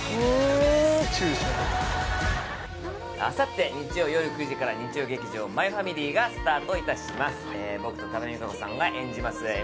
あさって日曜夜９時から日曜劇場「マイファミリー」がスタートいたします